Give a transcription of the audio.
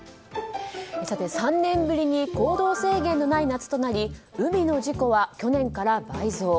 ３年ぶりに行動制限のない夏となり海の事故は去年から倍増。